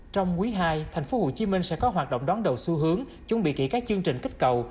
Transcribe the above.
trong quý ii tp hcm sẽ có hoạt động đón đầu xu hướng chuẩn bị kỹ các chương trình kích cầu